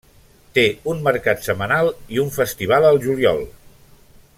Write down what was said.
Té un mercat setmanal i un festival al juliol.